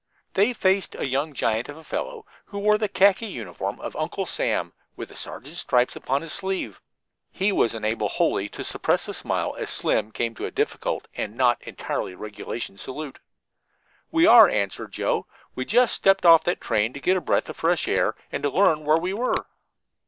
They faced a young giant of a fellow, who wore the khaki uniform of Uncle Sam, with a sergeant's stripes upon his sleeve. He was unable wholly to suppress a smile as Slim came to a difficult and not entirely regulation salute. "We are," answered Joe. "We just stepped off that train to get a breath of fresh air and to learn where we were."